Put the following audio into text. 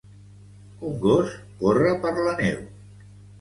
Un gos corre per la neu.